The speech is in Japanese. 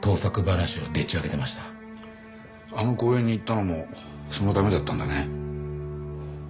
あの公園に行ったのもそのためだったんだね。